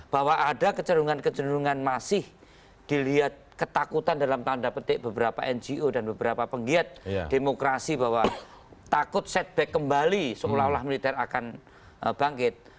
bahwa ada kecerungan kecenderungan masih dilihat ketakutan dalam tanda petik beberapa ngo dan beberapa penggiat demokrasi bahwa takut setback kembali seolah olah militer akan bangkit